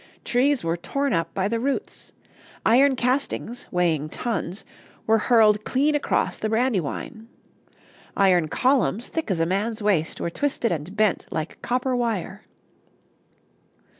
Trees were torn up by the roots. Iron castings, weighing tons, were hurled clean across the Brandywine. Iron columns thick as a man's waist were twisted and bent like copper wire.